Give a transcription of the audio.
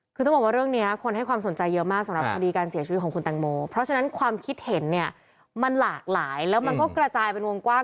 คือต้องบอกว่าเรื่องนี้คนให้ความสนใจเยอะมากสำหรับคดีการเสียชีวิตของคุณแตงโมเพราะฉะนั้นความคิดเห็นเนี่ยมันหลากหลายแล้วมันก็กระจายเป็นวงกว้าง